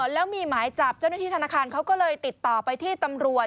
แล้วมีหมายจับเจ้าหน้าที่ธนาคารเขาก็เลยติดต่อไปที่ตำรวจ